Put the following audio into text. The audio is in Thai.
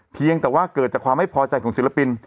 เพียงแต่ว่าเกิดจากความไม่พอใจของศิลปิน